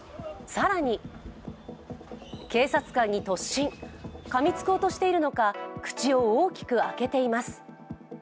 更に警察官に突進、かみつこうとしているのか、口を大きく開けています。